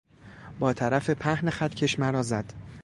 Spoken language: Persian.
با طرف پهن خطکش مرا زد.